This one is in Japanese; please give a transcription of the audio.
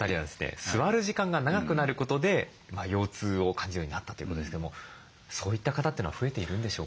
座る時間が長くなることで腰痛を感じるようになったということですけどもそういった方というのは増えているんでしょうか？